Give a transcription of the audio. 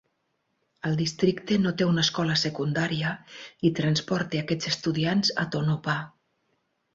El districte no té una escola secundària i transporta aquests estudiants a Tonopah.